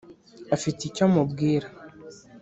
afite icyo amubwira .